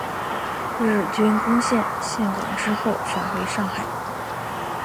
日军攻陷陷港之后返回上海。